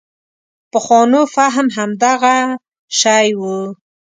پخوانو فهم همدغه شی و.